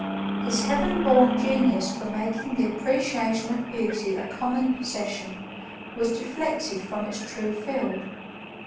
His heaven born genius for making the appreciation of beauty a common possession was deflected from its true field.